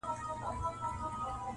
په موږک پسي جوړ کړی یې هی هی وو-